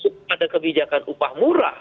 pada kebijakan umat murah